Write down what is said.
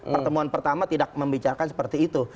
pertemuan pertama tidak membicarakan seperti itu